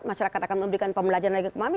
masyarakat akan memberikan pembelajaran lagi ke mami